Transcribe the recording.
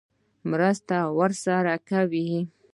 مرسته ورسره کوي.